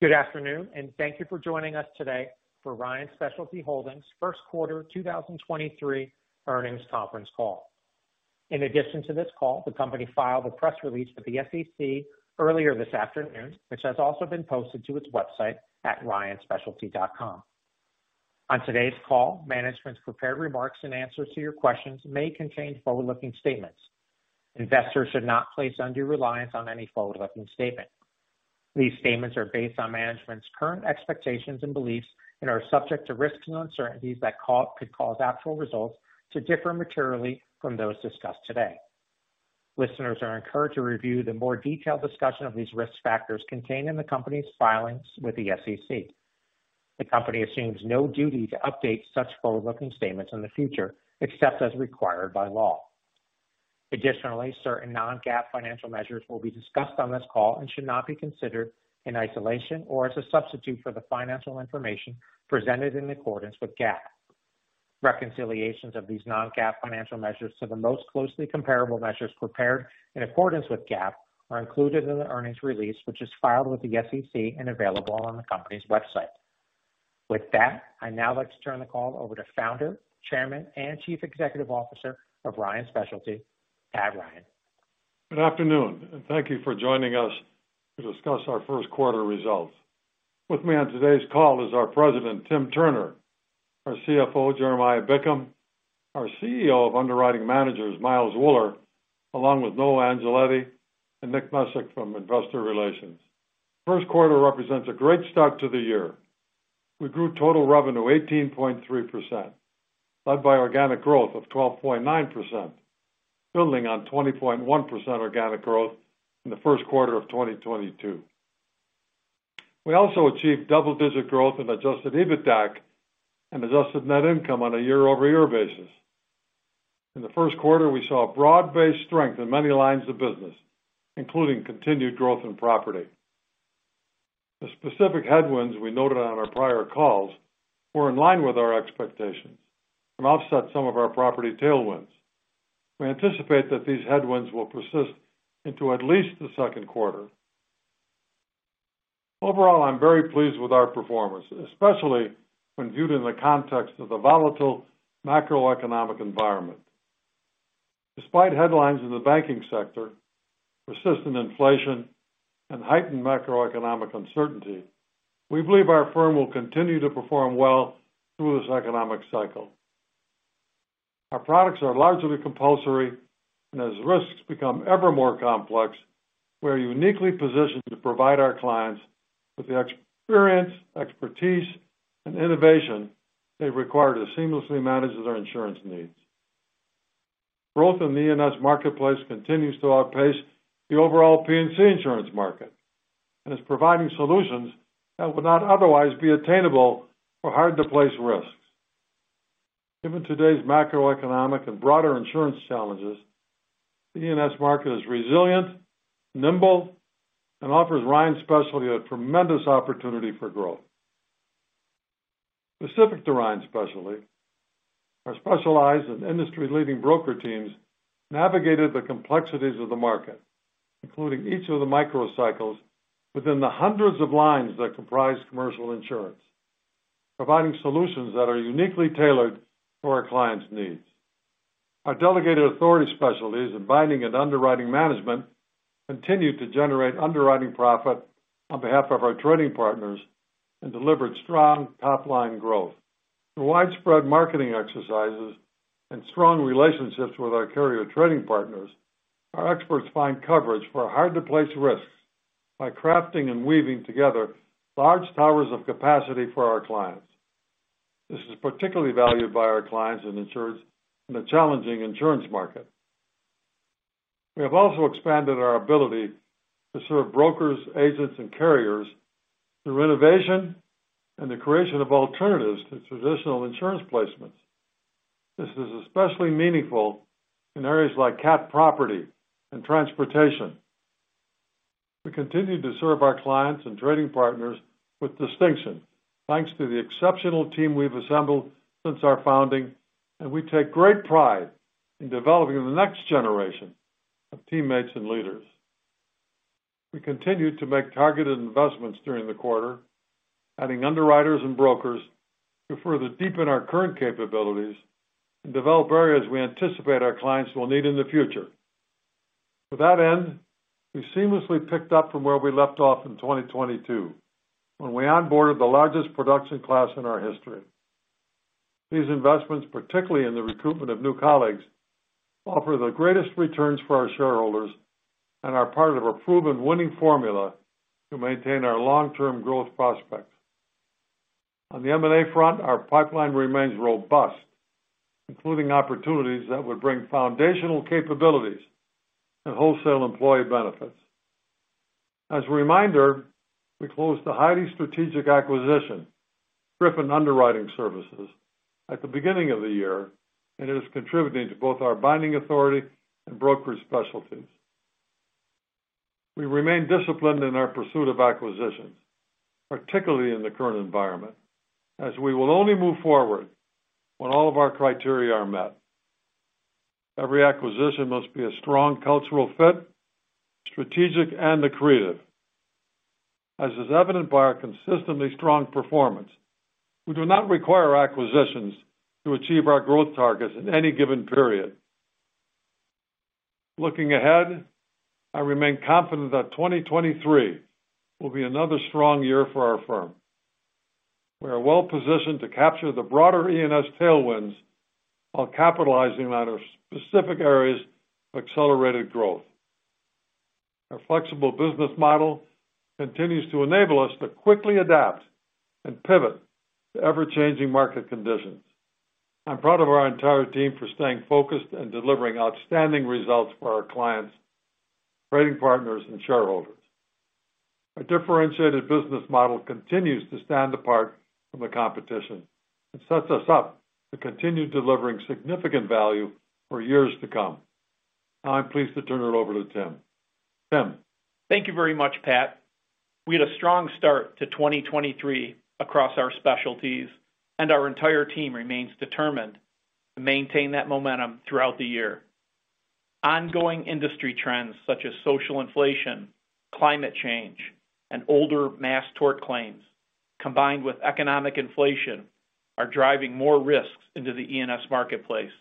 Good afternoon, thank you for joining us today for Ryan Specialty Holdings first quarter 2023 earnings conference call. In addition to this call, the company filed a press release with the SEC earlier this afternoon, which has also been posted to its website at ryanspecialty.com. On today's call, management's prepared remarks and answers to your questions may contain forward-looking statements. Investors should not place undue reliance on any forward-looking statement. These statements are based on management's current expectations and beliefs and are subject to risks and uncertainties that could cause actual results to differ materially from those discussed today. Listeners are encouraged to review the more detailed discussion of these risk factors contained in the company's filings with the SEC. The company assumes no duty to update such forward-looking statements in the future, except as required by law. Additionally, certain non-GAAP financial measures will be discussed on this call and should not be considered in isolation or as a substitute for the financial information presented in accordance with GAAP. Reconciliations of these non-GAAP financial measures to the most closely comparable measures prepared in accordance with GAAP are included in the earnings release, which is filed with the SEC and available on the company's website. With that, I'd now like to turn the call over to Founder, Chairman, and Chief Executive Officer of Ryan Specialty, Pat Ryan. Good afternoon, and thank you for joining us to discuss our first quarter results. With me on today's call is our president, Tim Turner, our CFO, Jeremiah Bickham, our CEO of Underwriting Managers, Miles Wuller, along with Noah Angeletti and Nick Mezick from Investor Relations. First quarter represents a great start to the year. We grew total revenue 18.3%, led by organic growth of 12.9%, building on 20.1% organic growth in the first quarter of 2022. We also achieved double-digit growth in Adjusted EBITDA and Adjusted Net Income on a year-over-year basis. In the first quarter, we saw broad-based strength in many lines of business, including continued growth in property. The specific headwinds we noted on our prior calls were in line with our expectations and offset some of our property tailwinds. We anticipate that these headwinds will persist into at least the second quarter. Overall, I'm very pleased with our performance, especially when viewed in the context of the volatile macroeconomic environment. Despite headlines in the banking sector, persistent inflation, and heightened macroeconomic uncertainty, we believe our firm will continue to perform well through this economic cycle. Our products are largely compulsory. As risks become ever more complex, we are uniquely positioned to provide our clients with the experience, expertise, and innovation they require to seamlessly manage their insurance needs. Growth in the E&S marketplace continues to outpace the overall P&C insurance market and is providing solutions that would not otherwise be attainable for hard-to-place risks. Given today's macroeconomic and broader insurance challenges, the E&S market is resilient, nimble, and offers Ryan Specialty a tremendous opportunity for growth. Specific to Ryan Specialty, our specialized and industry-leading broker teams navigated the complexities of the market, including each of the microcycles within the hundreds of lines that comprise commercial insurance, providing solutions that are uniquely tailored for our clients' needs. Our delegated authority specialties in binding and underwriting management continued to generate underwriting profit on behalf of our trading partners and delivered strong top-line growth. Through widespread marketing exercises and strong relationships with our carrier trading partners, our experts find coverage for hard-to-place risks by crafting and weaving together large towers of capacity for our clients. This is particularly valued by our clients and insurers in a challenging insurance market. We have also expanded our ability to serve brokers, agents, and carriers through innovation and the creation of alternatives to traditional insurance placements. This is especially meaningful in areas like cat property and transportation. We continue to serve our clients and trading partners with distinction thanks to the exceptional team we've assembled since our founding. We take great pride in developing the next generation of teammates and leaders. We continued to make targeted investments during the quarter, adding underwriters and brokers to further deepen our current capabilities and develop areas we anticipate our clients will need in the future. To that end, we seamlessly picked up from where we left off in 2022 when we onboarded the largest production class in our history. These investments, particularly in the recruitment of new colleagues, offer the greatest returns for our shareholders and are part of a proven winning formula to maintain our long-term growth prospects. On the M&A front, our pipeline remains robust, including opportunities that would bring foundational capabilities and wholesale employee benefits. As a reminder, we closed the highly strategic acquisition, Griffin Underwriting Services, at the beginning of the year, and it is contributing to both our binding authority and brokerage specialties. We remain disciplined in our pursuit of acquisitions, particularly in the current environment, as we will only move forward when all of our criteria are met. Every acquisition must be a strong cultural fit, strategic, and accretive. As is evident by our consistently strong performance, we do not require acquisitions to achieve our growth targets in any given period. Looking ahead, I remain confident that 2023 will be another strong year for our firm. We are well-positioned to capture the broader E&S tailwinds while capitalizing on our specific areas of accelerated growth. Our flexible business model continues to enable us to quickly adapt and pivot to ever-changing market conditions. I'm proud of our entire team for staying focused and delivering outstanding results for our clients, trading partners, and shareholders. Our differentiated business model continues to stand apart from the competition and sets us up to continue delivering significant value for years to come. Now I'm pleased to turn it over to Tim. Tim? Thank you very much, Pat. We had a strong start to 2023 across our specialties and our entire team remains determined to maintain that momentum throughout the year. Ongoing industry trends such as social inflation, climate change, and older mass tort claims, combined with economic inflation, are driving more risks into the E&S marketplace,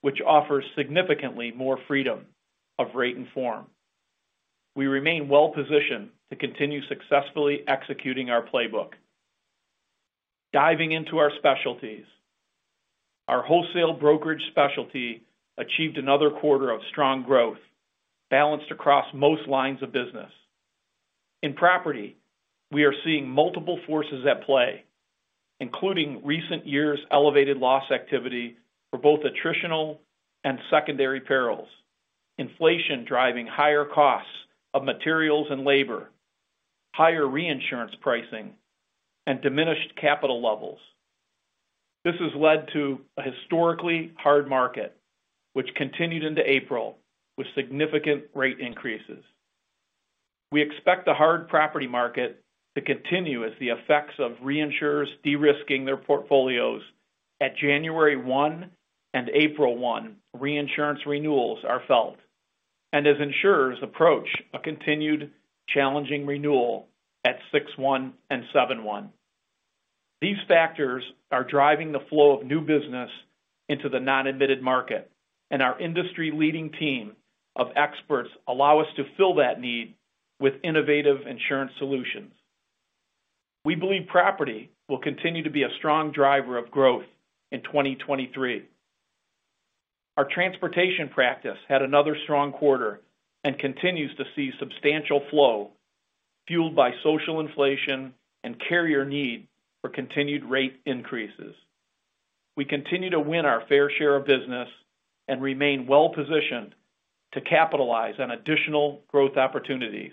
which offers significantly more freedom of rate and form. We remain well-positioned to continue successfully executing our playbook. Diving into our specialties. Our wholesale brokerage specialty achieved another quarter of strong growth balanced across most lines of business. In property, we are seeing multiple forces at play, including recent years' elevated loss activity for both attritional and secondary perils, inflation driving higher costs of materials and labor, higher reinsurance pricing, and diminished capital levels. This has led to a historically hard market which continued into April with significant rate increases. We expect the hard property market to continue as the effects of reinsurers de-risking their portfolios at January 1 and April 1 reinsurance renewals are felt, and as insurers approach a continued challenging renewal at 6/1 and 7/1. These factors are driving the flow of new business into the non-admitted market, and our industry-leading team of experts allow us to fill that need with innovative insurance solutions. We believe property will continue to be a strong driver of growth in 2023. Our transportation practice had another strong quarter and continues to see substantial flow fueled by social inflation and carrier need for continued rate increases. We continue to win our fair share of business and remain well-positioned to capitalize on additional growth opportunities.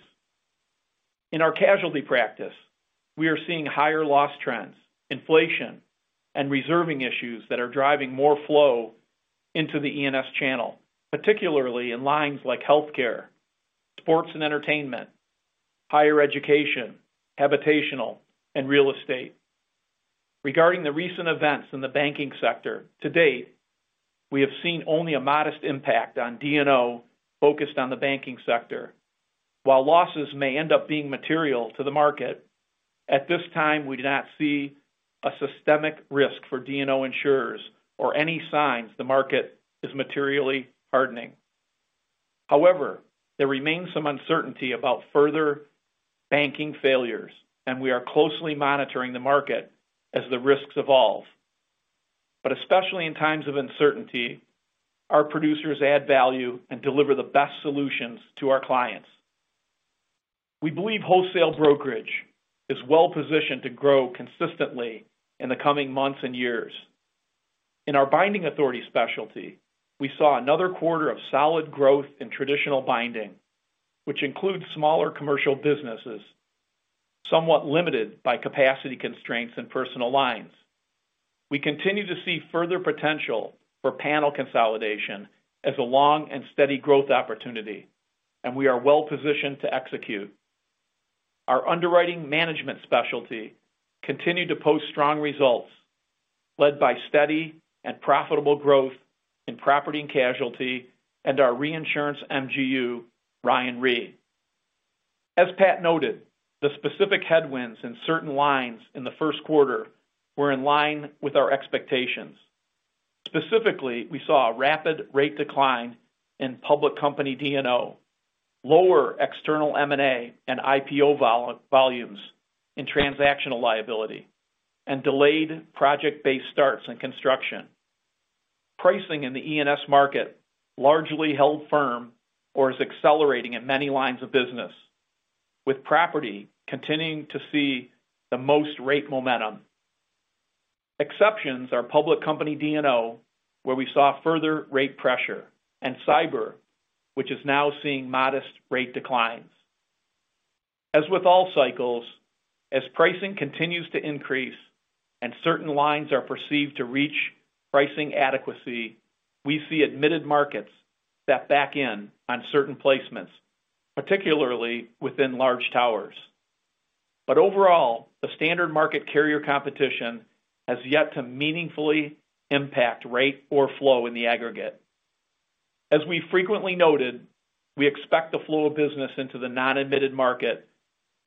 In our casualty practice, we are seeing higher loss trends, inflation, and reserving issues that are driving more flow into the E&S channel, particularly in lines like healthcare, sports and entertainment, higher education, habitational, and real estate. Regarding the recent events in the banking sector, to date, we have seen only a modest impact on D&O focused on the banking sector. While losses may end up being material to the market, at this time, we do not see a systemic risk for D&O insurers or any signs the market is materially hardening. However, there remains some uncertainty about further banking failures, and we are closely monitoring the market as the risks evolve. Especially in times of uncertainty, our producers add value and deliver the best solutions to our clients. We believe wholesale brokerage is well-positioned to grow consistently in the coming months and years. In our binding authority specialty, we saw another quarter of solid growth in traditional binding, which includes smaller commercial businesses, somewhat limited by capacity constraints in personal lines. We continue to see further potential for panel consolidation as a long and steady growth opportunity, and we are well-positioned to execute. Our underwriting management specialty continued to post strong results led by steady and profitable growth in property and casualty and our reinsurance MGU, Ryan Re. As Pat noted, the specific headwinds in certain lines in the first quarter were in line with our expectations. Specifically, we saw a rapid rate decline in public company D&O, lower external M&A and IPO volumes in transactional liability, delayed project-based starts in construction. Pricing in the E&S market largely held firm or is accelerating in many lines of business, with property continuing to see the most rate momentum. Exceptions are public company D&O, where we saw further rate pressure, and cyber, which is now seeing modest rate declines. As with all cycles, as pricing continues to increase and certain lines are perceived to reach pricing adequacy, we see admitted markets step back in on certain placements, particularly within large towers. Overall, the standard market carrier competition has yet to meaningfully impact rate or flow in the aggregate. As we frequently noted, we expect the flow of business into the non-admitted market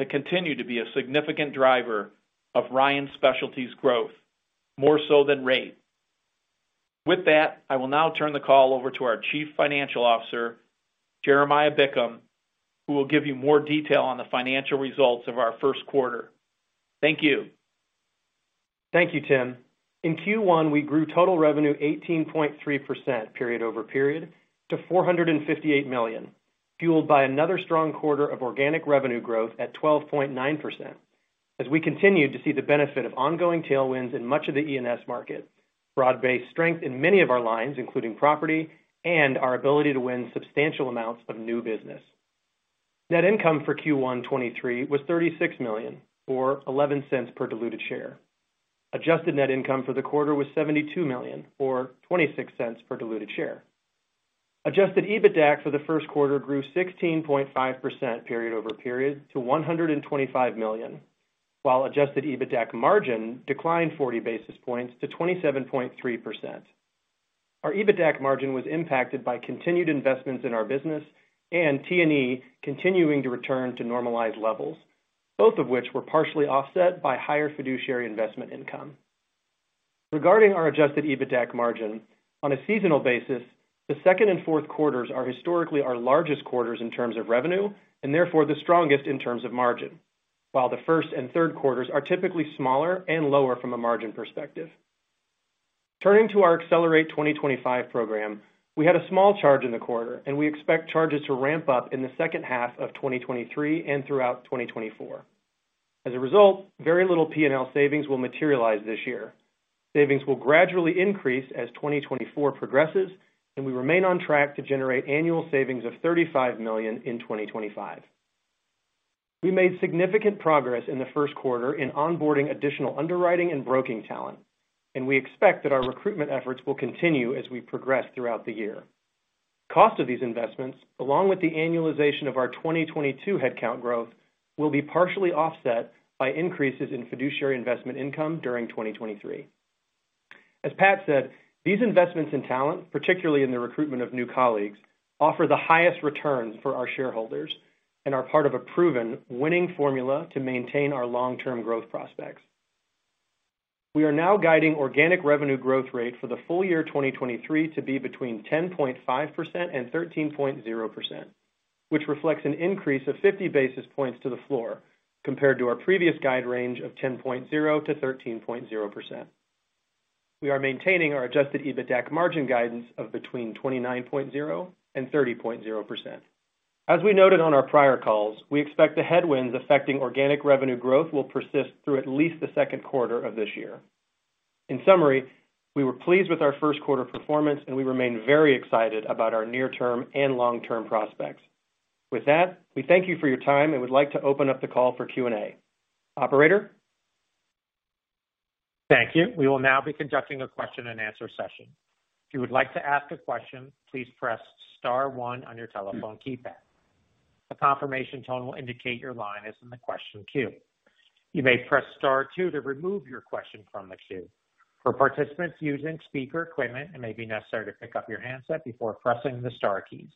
to continue to be a significant driver of Ryan Specialty's growth, more so than rate. With that, I will now turn the call over to our Chief Financial Officer, Jeremiah Bickham, who will give you more detail on the financial results of our first quarter. Thank you. Thank you, Tim. In Q1, we grew total revenue 18.3% period-over-period to $458 million, fueled by another strong quarter of organic revenue growth at 12.9% as we continued to see the benefit of ongoing tailwinds in much of the E&S market, broad-based strength in many of our lines, including property, and our ability to win substantial amounts of new business. Net income for Q1 2023 was $36 million, or $0.11 per diluted share. Adjusted Net Income for the quarter was $72 million or $0.26 per diluted share. Adjusted EBITDA for the first quarter grew 16.5% period-over-period to $125 million, while Adjusted EBITDA margin declined 40 basis points to 27.3%. Our EBITDA margin was impacted by continued investments in our business and T&E continuing to return to normalized levels, both of which were partially offset by higher fiduciary investment income. Regarding our Adjusted EBITDA margin, on a seasonal basis, the second and fourth quarters are historically our largest quarters in terms of revenue, and therefore the strongest in terms of margin. While the first and third quarters are typically smaller and lower from a margin perspective. Turning to our ACCELERATE 2025 program, we had a small charge in the quarter, and we expect charges to ramp up in the second half of 2023 and throughout 2024. As a result, very little P&L savings will materialize this year. Savings will gradually increase as 2024 progresses, and we remain on track to generate annual savings of $35 million in 2025. We made significant progress in the first quarter in onboarding additional underwriting and broking talent, and we expect that our recruitment efforts will continue as we progress throughout the year. Cost of these investments, along with the annualization of our 2022 headcount growth, will be partially offset by increases in fiduciary investment income during 2023. As Pat said, these investments in talent, particularly in the recruitment of new colleagues, offer the highest return for our shareholders and are part of a proven winning formula to maintain our long-term growth prospects. We are now guiding organic revenue growth rate for the full year 2023 to be between 10.5% and 13.0%, which reflects an increase of 50 basis points to the floor compared to our previous guide range of 10.0%-13.0%. We are maintaining our Adjusted EBITDA margin guidance of between 29.0% and 30.0%. As we noted on our prior calls, we expect the headwinds affecting organic revenue growth will persist through at least the second quarter of this year. In summary, we were pleased with our first quarter performance, and we remain very excited about our near-term and long-term prospects. With that, we thank you for your time and would like to open up the call for Q&A. Operator? Thank you. We will now be conducting a question and answer session. If you would like to ask a question, please press star one on your telephone keypad. A confirmation tone will indicate your line is in the question queue. You may press star two to remove your question from the queue. For participants using speaker equipment, it may be necessary to pick up your handset before pressing the star keys.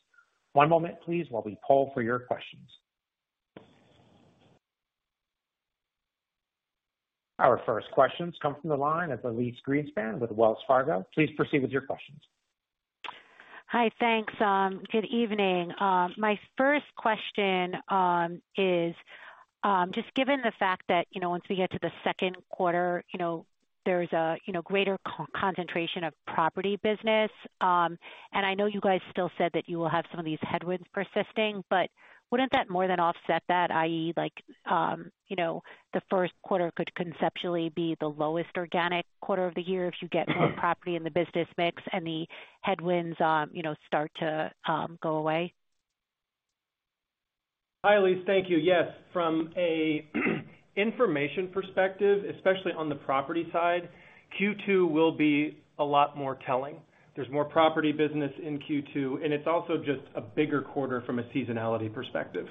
One moment please while we poll for your questions. Our first questions come from the line of Elyse Greenspan with Wells Fargo. Please proceed with your questions. Hi. Thanks. Good evening. My first question is just given the fact that, you know, once we get to the second quarter, you know, there's a, you know, greater concentration of property business. I know you guys still said that you will have some of these headwinds persisting, but wouldn't that more than offset that, i.e., like, you know, the first quarter could conceptually be the lowest organic quarter of the year if you get more property in the business mix and the headwinds, you know, start to go away? Hi, Elyse. Thank you. Yes. From a information perspective, especially on the property side, Q2 will be a lot more telling. There's more property business in Q2, and it's also just a bigger quarter from a seasonality perspective.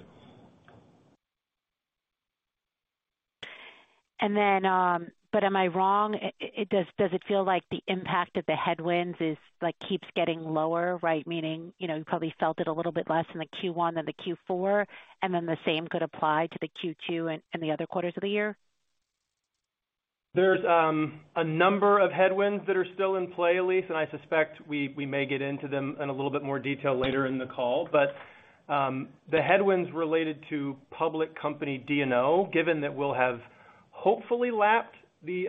But am I wrong? Does it feel like the impact of the headwinds is like, keeps getting lower, right? Meaning, you know, you probably felt it a little bit less in the Q1 than the Q4, and then the same could apply to the Q2 and the other quarters of the year. There's a number of headwinds that are still in play, Elyse, and I suspect we may get into them in a little bit more detail later in the call. The headwinds related to public company D&O, given that we'll have hopefully lapped the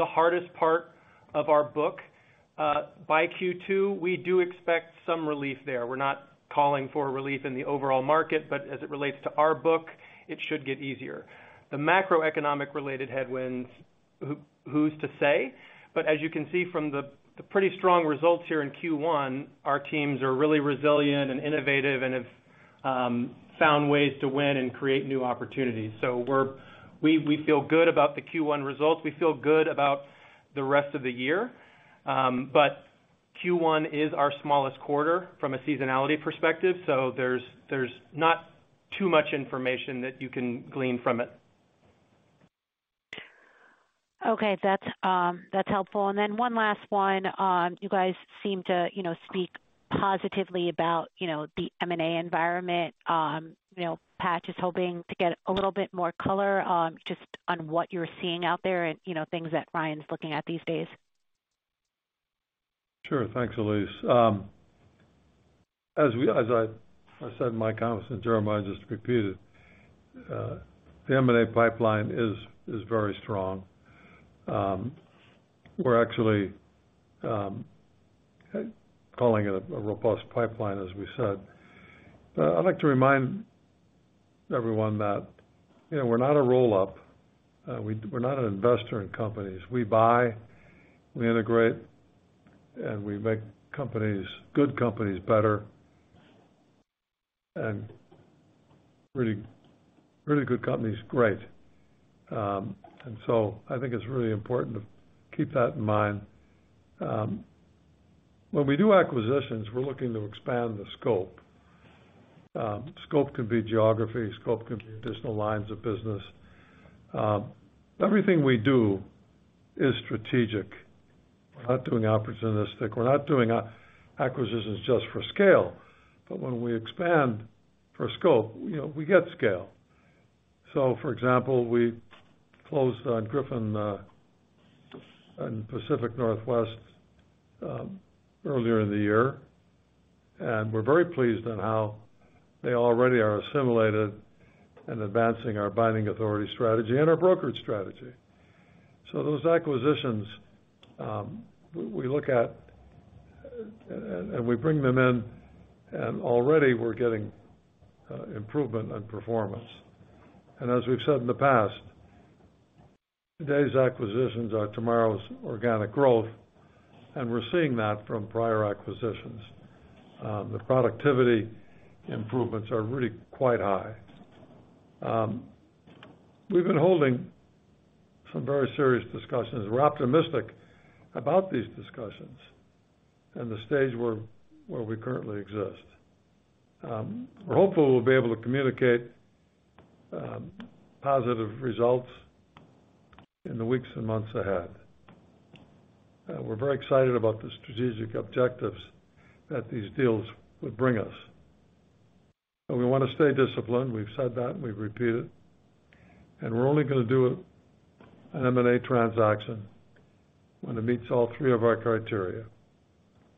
hardest part of our book by Q2, we do expect some relief there. We're not calling for relief in the overall market, but as it relates to our book, it should get easier. The macroeconomic related headwinds, who's to say? As you can see from the pretty strong results here in Q1, our teams are really resilient and innovative and have found ways to win and create new opportunities. We feel good about the Q1 results. We feel good about the rest of the year. Q1 is our smallest quarter from a seasonality perspective, so there's not too much information that you can glean from it. Okay. That's, that's helpful. Then one last one. You guys seem to, you know, speak positively about, you know, the M&A environment. You know, Pat is hoping to get a little bit more color, just on what you're seeing out there and, you know, things that Ryan's looking at these days. Sure. Thanks, Elyse. As I said in my comments, and Jeremiah just repeated, the M&A pipeline is very strong. We're actually calling it a robust pipeline, as we said. I'd like to remind everyone that, you know, we're not a roll-up. We're not an investor in companies. We buy, we integrate, and we make companies, good companies better, and really good companies great. I think it's really important to keep that in mind. When we do acquisitions, we're looking to expand the scope. Scope could be geography, scope could be additional lines of business. Everything we do is strategic. We're not doing opportunistic. We're not doing acquisitions just for scale. When we expand for scope, you know, we get scale. For example, we closed on Griffin and Pacific Northwest earlier in the year, and we're very pleased on how they already are assimilated and advancing our binding authority strategy and our brokerage strategy. Those acquisitions, we look at and we bring them in, and already we're getting improvement on performance. As we've said in the past, today's acquisitions are tomorrow's organic growth, and we're seeing that from prior acquisitions. The productivity improvements are really quite high. We've been holding some very serious discussions. We're optimistic about these discussions and the stage where we currently exist. We're hopeful we'll be able to communicate positive results in the weeks and months ahead. We're very excited about the strategic objectives that these deals would bring us. We wanna stay disciplined. We've said that, and we've repeated. We're only gonna do an M&A transaction when it meets all three of our criteria: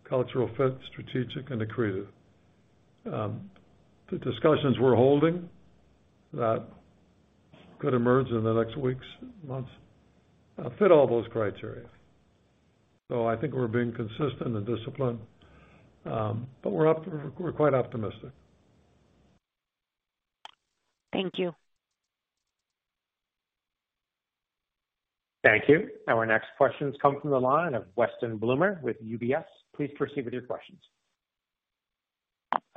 cultural fit, strategic and accretive. The discussions we're holding that could emerge in the next weeks, months, fit all those criteria. I think we're being consistent and disciplined, but we're quite optimistic. Thank you. Thank you. Our next questions come from the line of Weston Bloomer with UBS. Please proceed with your questions.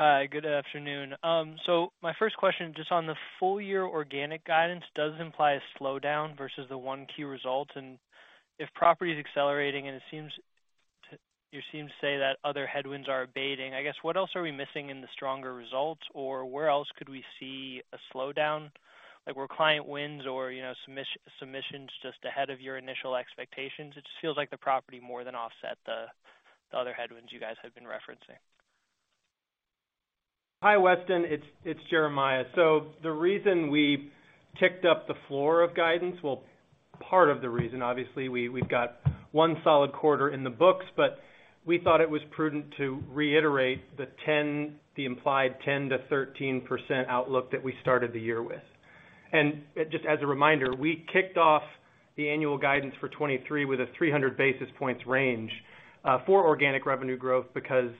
Hi. Good afternoon. My first question, just on the full year organic guidance, does imply a slowdown versus the 1Q results. If property is accelerating, You seem to say that other headwinds are abating, I guess, what else are we missing in the stronger results, or where else could we see a slowdown? Like, were client wins or, you know, submissions just ahead of your initial expectations? It just feels like the property more than offset the other headwinds you guys have been referencing. Hi, Weston. It's Jeremiah. The reason we ticked up the floor of guidance, well, part of the reason, obviously, we've got one solid quarter in the books, but we thought it was prudent to reiterate the implied 10%-13% outlook that we started the year with. Just as a reminder, we kicked off the annual guidance for 2023 with a 300 basis points range for organic revenue growth because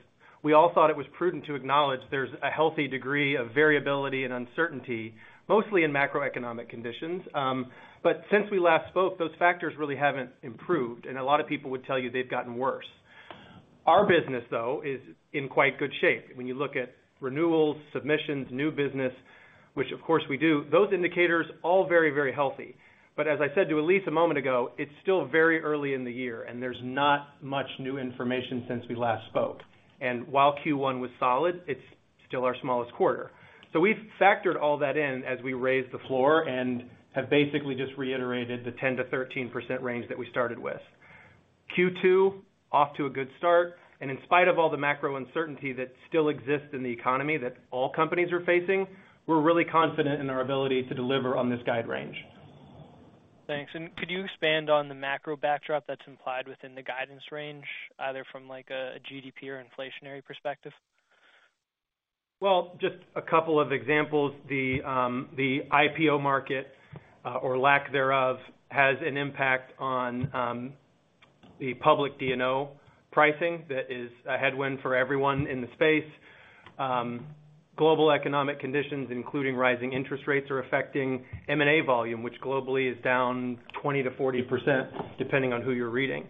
we all thought it was prudent to acknowledge there's a healthy degree of variability and uncertainty, mostly in macroeconomic conditions. Since we last spoke, those factors really haven't improved, and a lot of people would tell you they've gotten worse. Our business, though, is in quite good shape. When you look at renewals, submissions, new business, which of course we do, those indicators all very healthy. As I said to Elyse Greenspan a moment ago, it's still very early in the year, and there's not much new information since we last spoke. While Q1 was solid, it's still our smallest quarter. We've factored all that in as we raised the floor and have basically just reiterated the 10%-13% range that we started with. Q2, off to a good start. In spite of all the macro uncertainty that still exists in the economy that all companies are facing, we're really confident in our ability to deliver on this guide range. Thanks. Could you expand on the macro backdrop that's implied within the guidance range, either from, like, a GDP or inflationary perspective? Well, just a couple of examples. The IPO market, or lack thereof, has an impact on the public D&O pricing that is a headwind for everyone in the space. Global economic conditions, including rising interest rates, are affecting M&A volume, which globally is down 20%-40%, depending on who you're reading.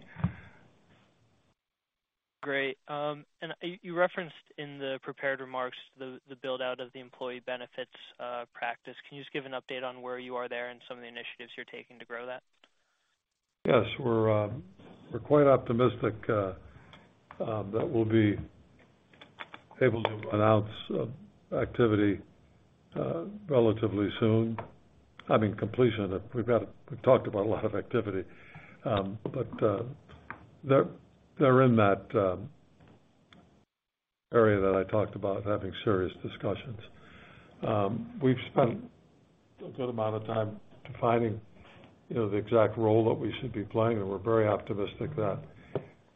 Great. you referenced in the prepared remarks the build-out of the employee benefits practice. Can you just give an update on where you are there and some of the initiatives you're taking to grow that? Yes. We're quite optimistic, that we'll be. Able to announce activity relatively soon. I mean, completion of We've talked about a lot of activity. But they're in that area that I talked about having serious discussions. We've spent a good amount of time defining, you know, the exact role that we should be playing, and we're very optimistic that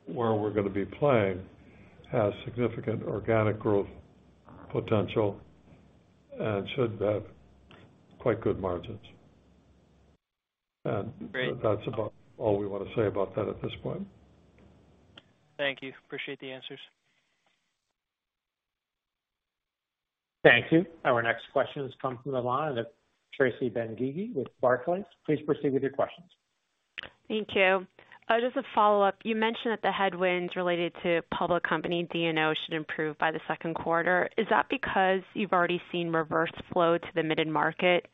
where we're gonna be playing has significant organic growth potential and should have quite good margins. Great. That's about all we wanna say about that at this point. Thank you. Appreciate the answers. Thank you. Our next question comes from the line of Tracy Benguigui with Barclays. Please proceed with your questions. Thank you. Just a follow-up. You mentioned that the headwinds related to public company D&O should improve by the second quarter. Is that because you've already seen reverse flow to the admitted market,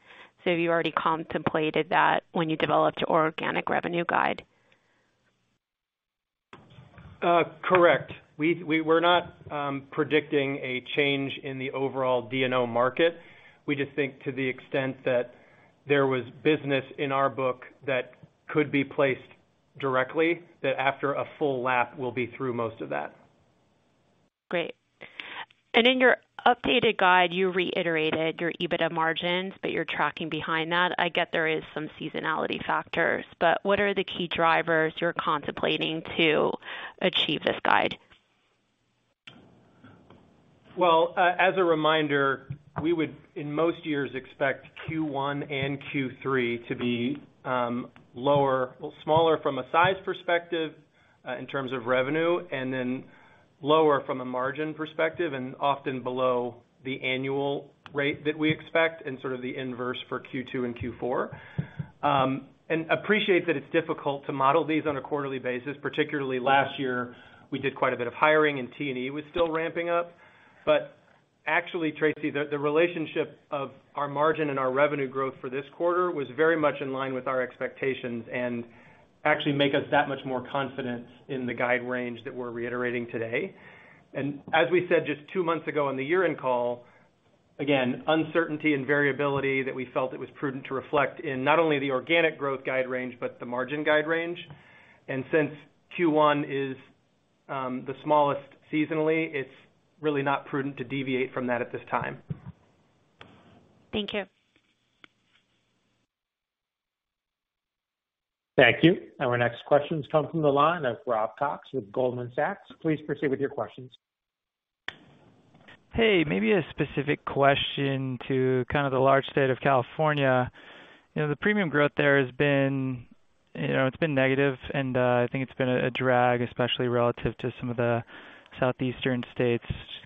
so you already contemplated that when you developed your organic revenue guide? Correct. We're not predicting a change in the overall D&O market. We just think to the extent that there was business in our book that could be placed directly, that after a full lap, we'll be through most of that. Great. In your updated guide, you reiterated your EBITDA margins, but you're tracking behind that. I get there is some seasonality factors, but what are the key drivers you're contemplating to achieve this guide? Well, as a reminder, we would, in most years, expect Q1 and Q3 to be lower or smaller from a size perspective, in terms of revenue, and then lower from a margin perspective, and often below the annual rate that we expect, and sort of the inverse for Q2 and Q4. Appreciate that it's difficult to model these on a quarterly basis, particularly last year, we did quite a bit of hiring and T&E was still ramping up. Actually, Tracy, the relationship of our margin and our revenue growth for this quarter was very much in line with our expectations and actually make us that much more confident in the guide range that we're reiterating today. As we said just two months ago on the year-end call, again, uncertainty and variability that we felt it was prudent to reflect in not only the organic growth guide range, but the margin guide range. Since Q1 is, the smallest seasonally, it's really not prudent to deviate from that at this time. Thank you. Thank you. Our next question comes from the line of Rob Cox with Goldman Sachs. Please proceed with your questions. Hey, maybe a specific question to kind of the large state of California. You know, the premium growth there has been, you know, it's been negative, and I think it's been a drag, especially relative to some of the southeastern states.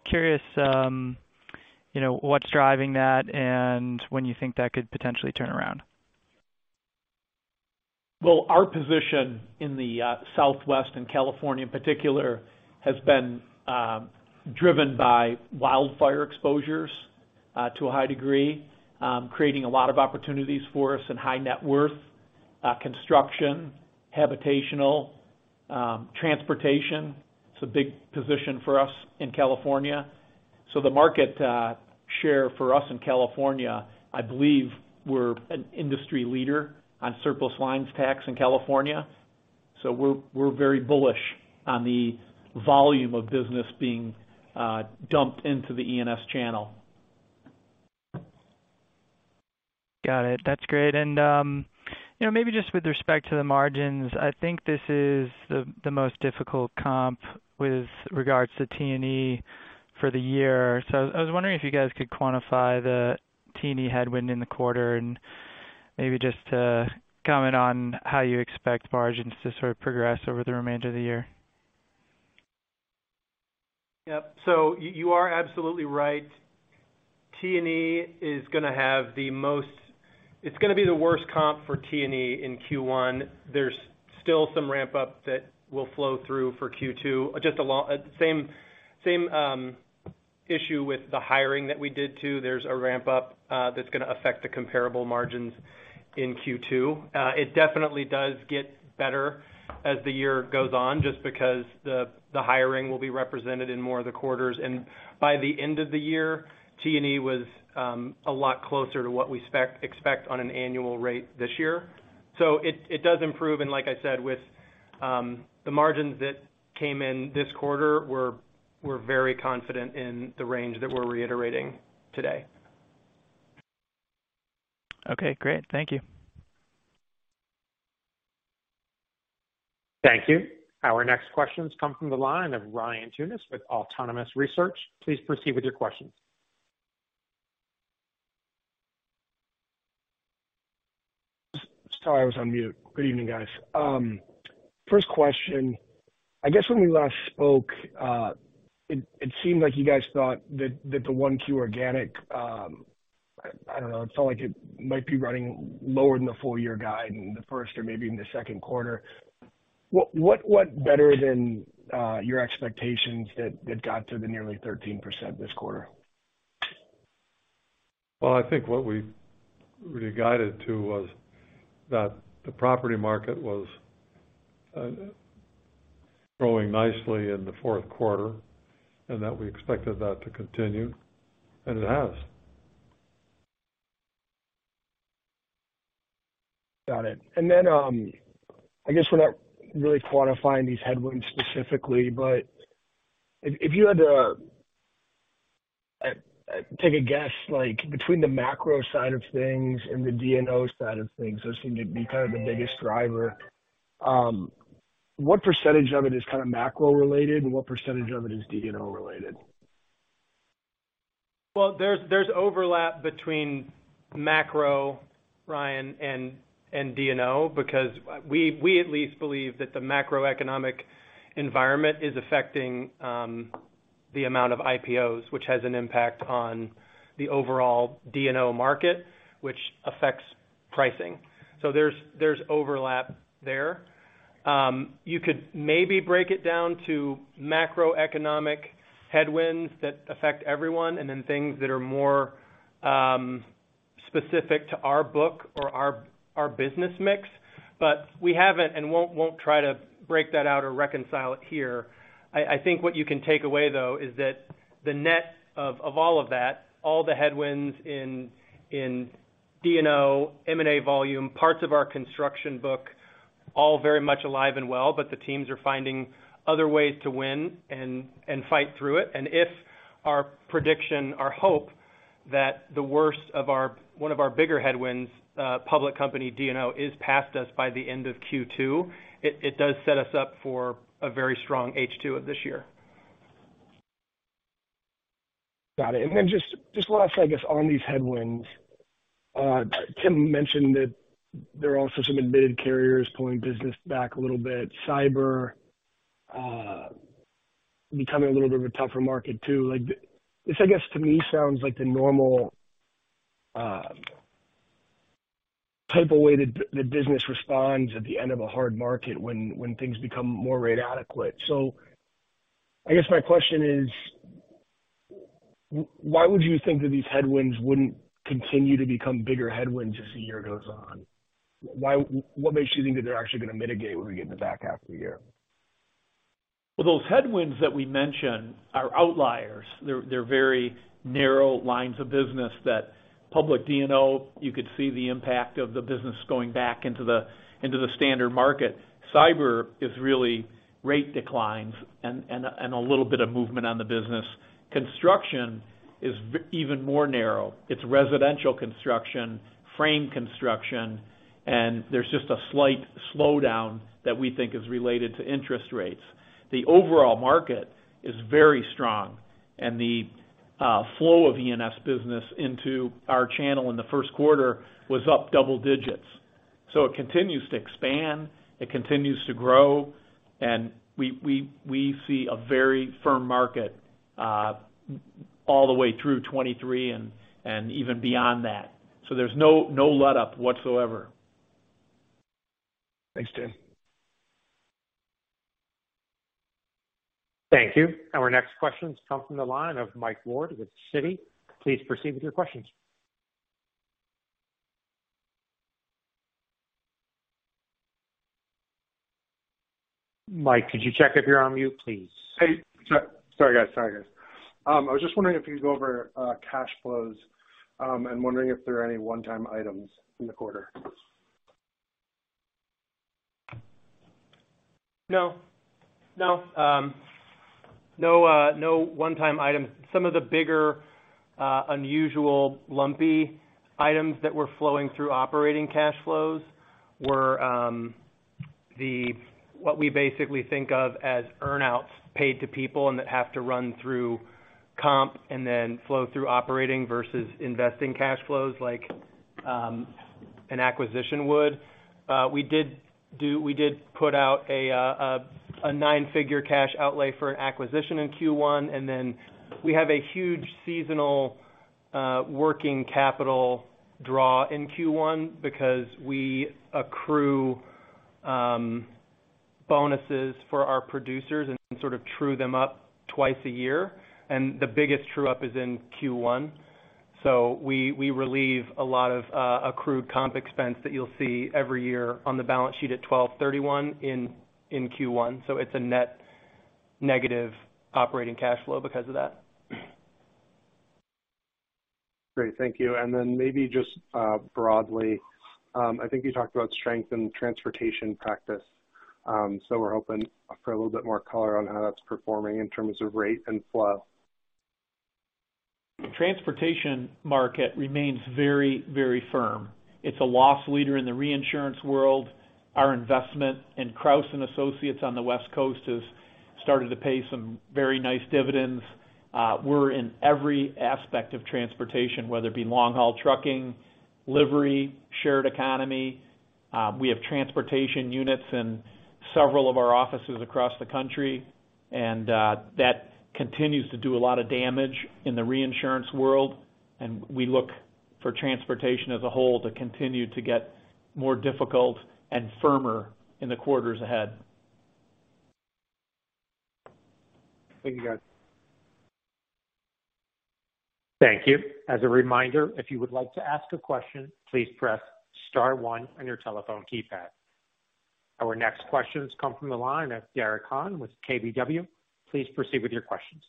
Curious, you know, what's driving that and when you think that could potentially turn around. Well, our position in the Southwest and California, in particular, has been driven by wildfire exposures to a high degree, creating a lot of opportunities for us in high net worth, construction, habitational, transportation. It's a big position for us in California. The market share for us in California, I believe we're an industry leader on surplus lines tax in California. We're very bullish on the volume of business being dumped into the E&S channel. Got it. That's great. You know, maybe just with respect to the margins, I think this is the most difficult comp with regards to T&E for the year. I was wondering if you guys could quantify the T&E headwind in the quarter and maybe just to comment on how you expect margins to sort of progress over the remainder of the year. Yep. You are absolutely right. T&E is gonna be the worst comp for T&E in Q1. There's still some ramp up that will flow through for Q2. Just same issue with the hiring that we did too. There's a ramp up that's gonna affect the comparable margins in Q2. It definitely does get better as the year goes on, just because the hiring will be represented in more of the quarters. By the end of the year, T&E was a lot closer to what we expect on an annual rate this year. It does improve, and like I said, with the margins that came in this quarter, we're very confident in the range that we're reiterating today. Okay, great. Thank you. Thank you. Our next question's come from the line of Ryan Tunis with Autonomous Research. Please proceed with your questions. sorry, I was on mute. Good evening, guys. First question. I guess when we last spoke, it seemed like you guys thought that the 1Q organic, I don't know, it felt like it might be running lower than the full year guide in the first or maybe in the second quarter. What better than your expectations that got to the nearly 13% this quarter? Well, I think what we really guided to was that the property market was growing nicely in the fourth quarter, and that we expected that to continue, and it has. Got it. Then, I guess we're not really quantifying these headwinds specifically, but if you had to, take a guess, like between the macro side of things and the D&O side of things, those seem to be kind of the biggest driver. What % of it is kind of macro related, and what % of it is D&O related? There's overlap between macro, Ryan, and D&O because we at least believe that the macroeconomic environment is affecting the amount of IPOs, which has an impact on the overall D&O market, which affects pricing. There's overlap there. You could maybe break it down to macroeconomic headwinds that affect everyone, and then things that are more specific to our book or our business mix, but we haven't and won't try to break that out or reconcile it here. I think what you can take away, though, is that the net of all of that, all the headwinds in D&O, M&A volume, parts of our construction book, all very much alive and well. The teams are finding other ways to win and fight through it. If our prediction, our hope that the worst of one of our bigger headwinds, public company D&O is past us by the end of Q2, it does set us up for a very strong H2 of this year. Got it. Just, just last, I guess, on these headwinds. Tim mentioned that there are also some admitted carriers pulling business back a little bit. Cyber, becoming a little bit of a tougher market too. Like, this, I guess, to me sounds like the normal type of way that business responds at the end of a hard market when things become more rate adequate. I guess my question is, why would you think that these headwinds wouldn't continue to become bigger headwinds as the year goes on? What makes you think that they're actually gonna mitigate when we get in the back half of the year? Well, those headwinds that we mentioned are outliers. They're very narrow lines of business that public D&O, you could see the impact of the business going back into the, into the standard market. Cyber is really rate declines and a little bit of movement on the business. Construction is even more narrow. It's residential construction, frame construction, there's just a slight slowdown that we think is related to interest rates. The overall market is very strong, and the flow of E&S business into our channel in the first quarter was up double digits. It continues to expand, it continues to grow, and we see a very firm market all the way through 2023 and even beyond that. There's no letup whatsoever. Thanks, Tim. Thank you. Our next question comes from the line of Mike Ward with Citi. Please proceed with your questions. Mike, could you check if you're on mute, please? Hey, sorry. Sorry, guys. Sorry, guys. I was just wondering if you could go over cash flows, and wondering if there are any one-time items in the quarter. No. No. No, no one-time items. Some of the bigger, unusual lumpy items that were flowing through operating cash flows were what we basically think of as earn-outs paid to people and that have to run through comp and then flow through operating versus investing cash flows like an acquisition would. We did put out a 9-figure cash outlay for an acquisition in Q1, and then we have a huge seasonal, working capital draw in Q1 because we accrue bonuses for our producers and sort of true them up twice a year, and the biggest true-up is in Q1. We relieve a lot of accrued comp expense that you'll see every year on the balance sheet at 12/31 in Q1, so it's a net negative operating cash flow because of that. Great. Thank you. Maybe just broadly, I think you talked about strength in transportation practice. We're hoping for a little bit more color on how that's performing in terms of rate and flow. Transportation market remains very, very firm. It's a loss leader in the reinsurance world. Our investment in Crouse and Associates on the West Coast has started to pay some very nice dividends. We're in every aspect of transportation, whether it be long-haul trucking, livery, shared economy. We have transportation units in several of our offices across the country, and that continues to do a lot of damage in the reinsurance world, and we look for transportation as a whole to continue to get more difficult and firmer in the quarters ahead. Thank you, guys. Thank you. As a reminder, if you would like to ask a question, please press star one on your telephone keypad. Our next questions come from the line of [Meyer Shields] with KBW. Please proceed with your questions.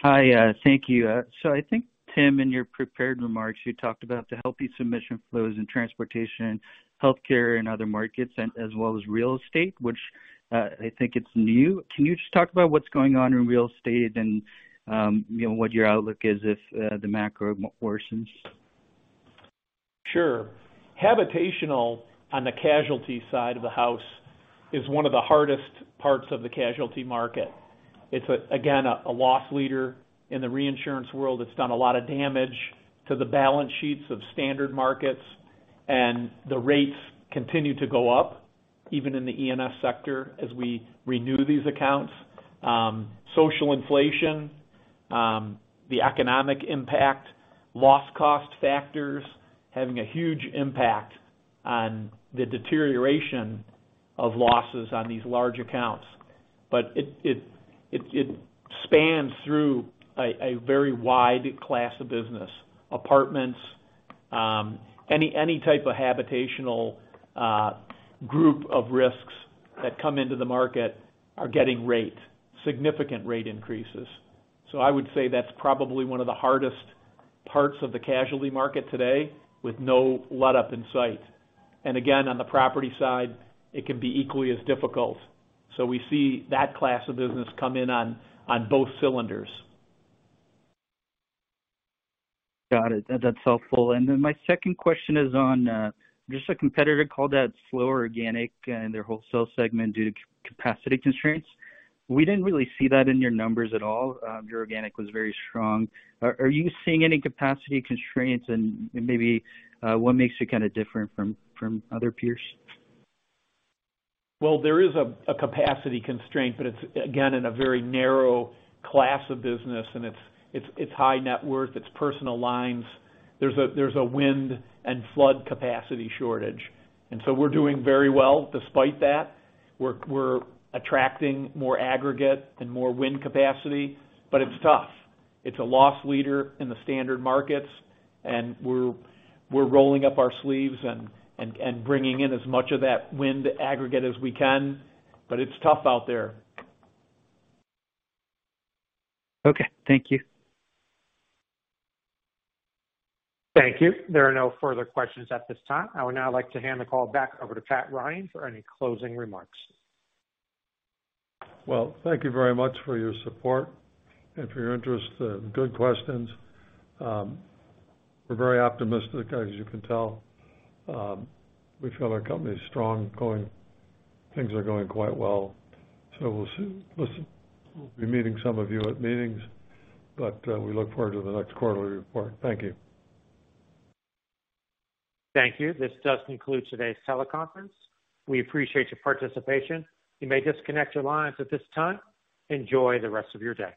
Hi. Thank you. I think, Tim, in your prepared remarks, you talked about the healthy submission flows in transportation, healthcare, and other markets, and as well as real estate, which, I think it's new. Can you just talk about what's going on in real estate and, you know, what your outlook is if the macro worsens? Sure. Habitational on the casualty side of the house is one of the hardest parts of the casualty market. It's again a loss leader in the reinsurance world. It's done a lot of damage to the balance sheets of standard markets. The rates continue to go up, even in the E&S sector, as we renew these accounts. Social inflation, the economic impact, loss cost factors having a huge impact on the deterioration of losses on these large accounts. It spans through a very wide class of business. Apartments, any type of habitational group of risks that come into the market are getting significant rate increases. I would say that's probably one of the hardest parts of the casualty market today with no letup in sight. Again, on the property side, it can be equally as difficult. We see that class of business come in on both cylinders. Got it. That's helpful. My second question is on just a competitor called out slower organic in their wholesale segment due to capacity constraints. We didn't really see that in your numbers at all. Your organic was very strong. Are you seeing any capacity constraints and maybe what makes you kinda different from other peers? There is a capacity constraint, but it's, again, in a very narrow class of business, and it's high net worth, it's personal lines. There's a wind and flood capacity shortage. We're doing very well despite that. We're attracting more aggregate and more wind capacity, but it's tough. It's a loss leader in the standard markets, and we're rolling up our sleeves and bringing in as much of that wind aggregate as we can, but it's tough out there. Okay. Thank you. Thank you. There are no further questions at this time. I would now like to hand the call back over to Pat Ryan for any closing remarks. Well, thank you very much for your support and for your interest, good questions. We're very optimistic, as you can tell. We feel our company is strong going. Things are going quite well. We'll see. Listen, we'll be meeting some of you at meetings, we look forward to the next quarterly report. Thank you. Thank you. This does conclude today's teleconference. We appreciate your participation. You may disconnect your lines at this time. Enjoy the rest of your day.